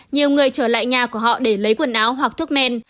nhiều người trở lại nhà của họ để lấy quần áo hoặc thuốc men